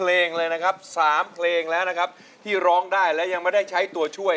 ร้องได้ร้องได้ร้องได้ร้องได้ร้องได้ร้องได้ร้องได้